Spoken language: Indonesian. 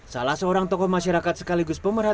salah seorang tokoh masyarakat sekaligus pemerintah